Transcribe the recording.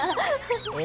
え